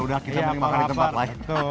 udah kita beli makan di tempat lain